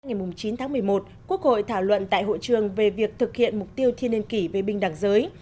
ngày chín tháng một mươi một quốc hội thảo luận tại hội trường về việc thực hiện mục tiêu thiên liên kỷ về binh đảng giới